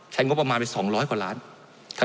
ใช้งบประมาณไป๒๐๐กว่าล้าน